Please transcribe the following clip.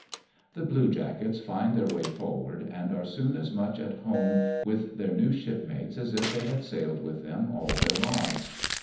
The bluejackets find their way forward, and are soon as much at home with their new shipmates as if they had sailed with them all their lives.